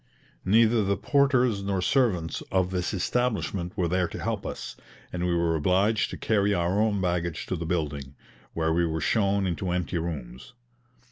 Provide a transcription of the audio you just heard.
Neither the porters nor servants of this establishment were there to help us, and we were obliged to carry our own baggage to the building, where we were shown into empty rooms.